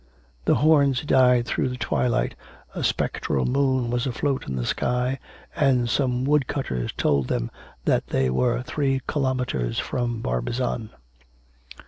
The horns died through the twilight, a spectral moon was afloat in the sky, and some wood cutters told them that they were three kilometres from Barbizon.